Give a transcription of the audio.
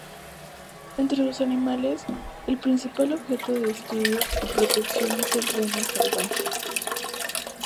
Entre los animales, el principal objeto de estudio y protección es el reno salvaje.